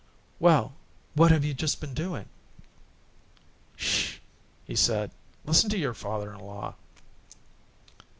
"Well, what have you just been doing?" "SH!" he said. "Listen to your father in law."